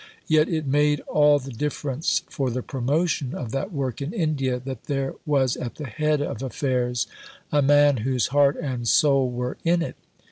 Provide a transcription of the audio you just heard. Yet it made all the difference for the promotion of that work in India that there was at the head of affairs a man whose heart and soul were in it.